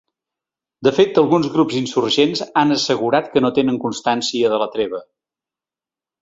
De fet, alguns grups insurgents han assegurat que no tenen constància de la treva.